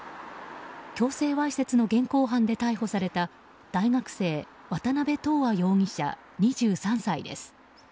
強制わいせつの現行犯で逮捕された大学生渡辺斗亜容疑者、２３歳です。